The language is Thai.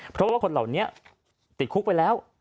เพราะว่าคนเหล่านี้ติดคุกไปแล้ว